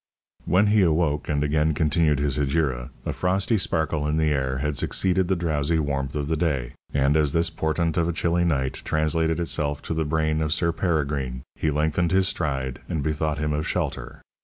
When he awoke and again continued his hegira, a frosty sparkle in the air had succeeded the drowsy warmth of the day, and as this portent of a chilly night translated itself to the brain of Sir Peregrine, he lengthened his stride and bethought him of shelter.